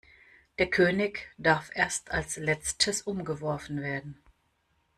Der König darf erst als letztes umgeworfen werden.